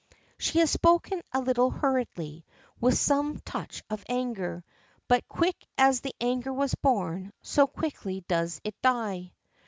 She had spoken a little hurriedly, with some touch of anger. But quick as the anger was born, so quickly does it die.